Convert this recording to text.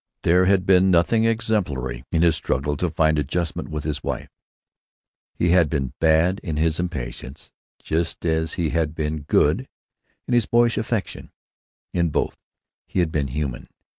There had been nothing exemplary in his struggle to find adjustment with his wife; he had been bad in his impatience just as he had been good in his boyish affection; in both he had been human.